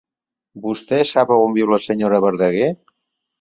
Vostè sap on viu la senyora Verdaguer?